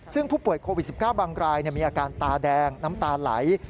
ซึ่งผู้ป่วยโควิด๑๙บางรายมีอาการตาแดงน้ำตาไหล